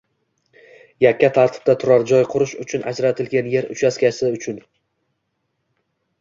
Yakka tartibda turar-joy qurish uchun ajratilgan yer uchastkasi uchun